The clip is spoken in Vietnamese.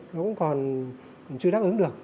cũng còn chưa đáp ứng được